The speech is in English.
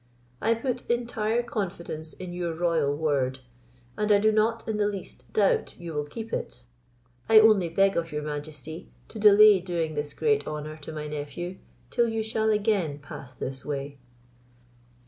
I put entire confidence in your royal word, and I do not in the least doubt you will keep it. I only beg of your majesty, to delay doing this great honour to my nephew till you shall again pass this way."